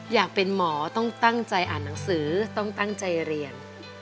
อยากเป็นหมอต้องตั้งใจอ่านหนังสือต้องตั้งใจเรียน